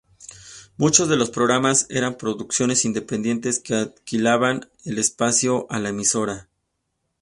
Muchos de los programas eran producciones independientes que alquilaban el espacio a la emisora.